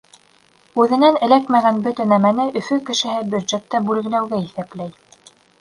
Үҙенә эләкмәгән бөтә нәмәне Өфө кешеһе бюджетты бүлгеләүгә иҫәпләй.